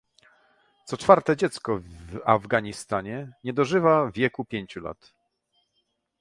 Co czwarte dziecko w Afganistanie nie dożywa wieku pięciu lat